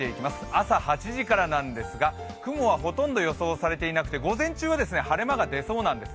朝８時からなんですが雲はほとんど予想されていなくて午前中は晴れ間が出そうなんです。